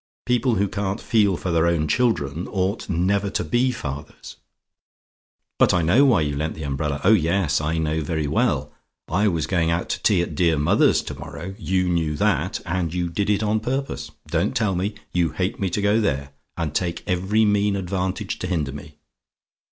People who can't feel for their own children ought never to be fathers. "But I know why you lent the umbrella. Oh, yes; I know very well. I was going out to tea at dear mother's to morrow you knew that; and you did it on purpose. Don't tell me; you hate me to go there, and take every mean advantage to hinder me.